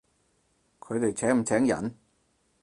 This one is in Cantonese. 佢哋請唔請人？